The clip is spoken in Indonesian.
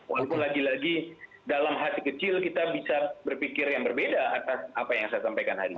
walaupun lagi lagi dalam hati kecil kita bisa berpikir yang berbeda atas apa yang saya sampaikan hari ini